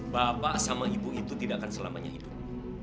bapak sama ibu itu tidak akan selamanya hidup